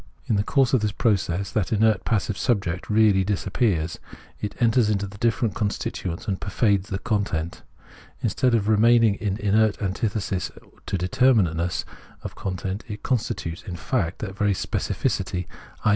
In the course of this process that inert passive subject really disappears ; it enters into the different constituents and pervades the content ; in stead of remaining in inert antithesis to determinateness of content, it constitutes, in fact, that very specificity, i.